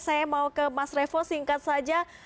saya mau ke mas revo singkat saja